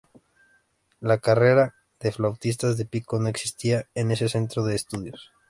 La carrera de flautista de pico no existía en ese centro de estudios.